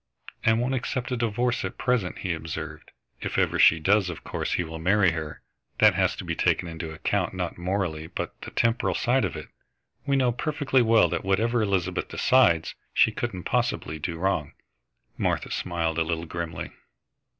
"And won't accept a divorce at present," he observed. "If ever she does, of course he will marry her. That has to be taken into account not morally but the temporal side of it. We know perfectly well that whatever Elizabeth decides, she couldn't possibly do wrong." Martha smiled a little grimly.